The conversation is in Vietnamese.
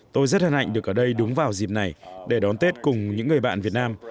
tôi rất hân hạnh được ở đây đúng vào dịp này để đón tết cùng những người bạn việt nam